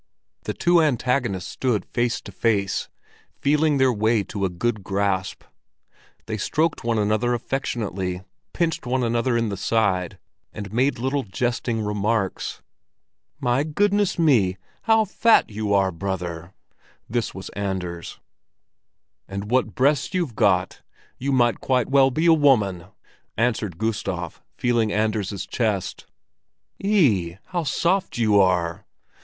The two antagonists stood face to face, feeling their way to a good grasp. They stroked one another affectionately, pinched one another in the side, and made little jesting remarks. "My goodness me, how fat you are, brother!" This was Anders. "And what breasts you've got! You might quite well be a woman," answered Gustav, feeling Anders' chest. "Eeh, how soft you are!"